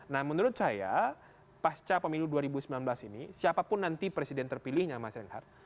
nah menurut saya pasca pemilu dua ribu sembilan belas ini siapapun nanti presiden terpilihnya mas reinhardt